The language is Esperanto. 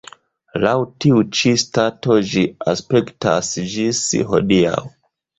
Laŭ tiu ĉi stato ĝi aspektas ĝis hodiaŭ.